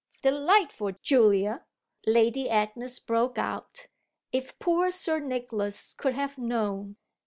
"Delightful Julia!" Lady Agnes broke out. "If poor Sir Nicholas could have known!